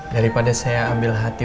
daripada saya ambil hati